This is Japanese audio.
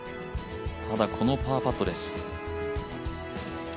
ただこのパーパットです。